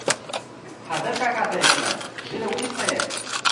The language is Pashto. قادر کاکا ته یې کړه چې ږیره ولې خرېیې؟